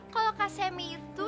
kalo kak semi itu